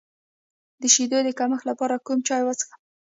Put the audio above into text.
د شیدو د کمښت لپاره کوم چای وڅښم؟